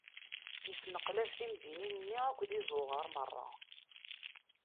Isneqlab timdinin-nni akked izuɣar meṛṛa.